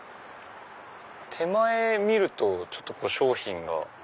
手前見ると商品が。